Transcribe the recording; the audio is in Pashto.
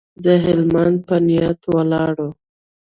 د هلمند په نیت ولاړو.